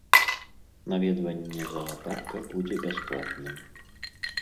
Наведванне заапарка будзе бясплатным.